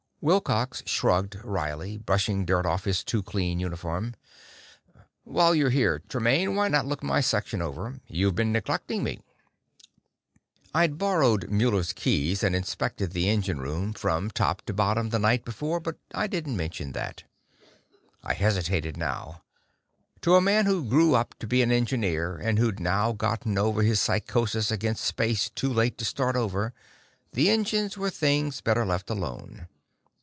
Wilcox shrugged wryly, brushing dirt off his too clean uniform. "While you're here, Tremaine, why not look my section over? You've been neglecting me." I'd borrowed Muller's keys and inspected the engine room from, top to bottom the night before, but I didn't mention that. I hesitated now; to a man who grew up to be an engineer and who'd now gotten over his psychosis against space too late to start over, the engines were things better left alone.